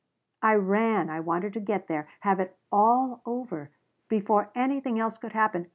"I ran. I wanted to get there. Have it all over before anything else could happen.